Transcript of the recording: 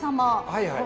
はいはい。